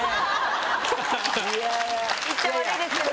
言っちゃ悪いですけどね。